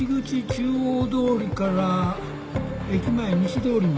中央通りから駅前西通りに。